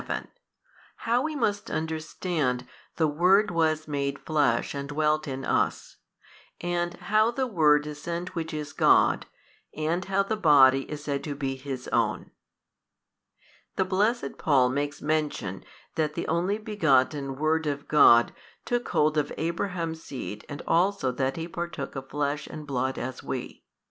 How we must understand The Word was made Flesh and dwelt in us, and how the Word is sent which is God, and how the Body is said to be His own. The blessed Paul makes mention that the Only Begotten Word of God took hold of Abraham's seed and also that He partook of flesh and blood as we.